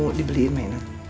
kamu mau dibeliin mainan